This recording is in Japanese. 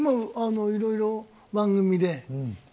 いろいろ番組で。